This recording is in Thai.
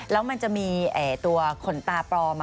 แล้วมันจะมีตัวขนตาปลอม